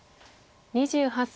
２８歳。